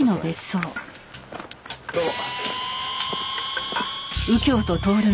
どうも。